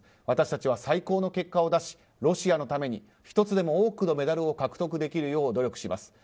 私たちは最高の結果をだしロシアのために１つでも多くのメダルを獲得できるよう努力します。